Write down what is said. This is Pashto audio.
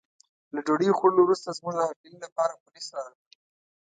له ډوډۍ خوړو وروسته زموږ د هرکلي لپاره پولیس راغلل.